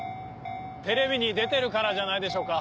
テレビに出てるからじゃないでしょうか？